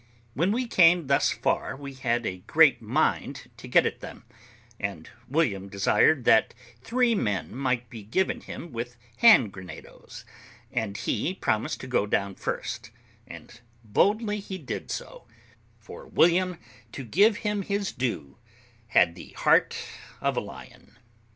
When we came thus far we had a great mind to get at them; and William desired that three men might be given him with hand grenadoes; and he promised to go down first, and boldly he did so; for William, to give him his due, had the heart of a lion.